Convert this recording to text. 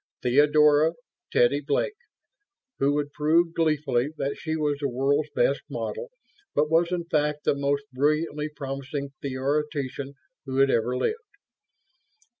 Theodora (Teddy) Blake, who would prove gleefully that she was the world's best model but was in fact the most brilliantly promising theoretician who had ever lived.